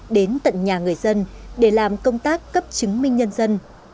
đến tận nhà người dân để làm công tác cấp chứng minh nhân dân